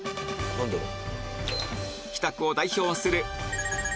何だろう？